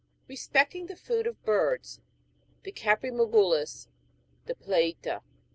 RESPECTING THE FOOD OF BIRDS THE CAPKI JIULGUS, THE PLATE A.